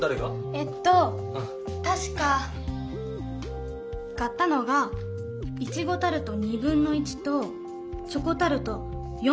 えっとたしか買ったのがイチゴタルト1/2とチョコタルト1/4。